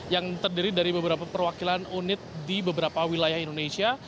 yang terdiri dari beberapa perwakilan unit di beberapa wilayah indonesia